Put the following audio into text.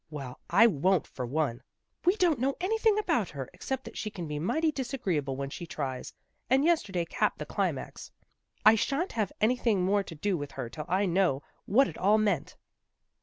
Well, I won't, for one. We don't know any thing about her, except that she can be mighty disagreeable when she tries, and yesterday capped the climax. I sha'n't have anything more to do with her till I know what it all meant."